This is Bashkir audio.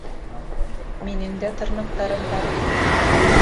Минең дә тырнаҡтарым бар.